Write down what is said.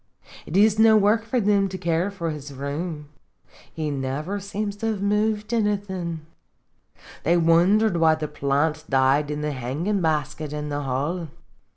It is no work for thim to care for his room ; he niver seems to have moved anythin'. They wondered why the piant died in tne hangin' basket in the hall.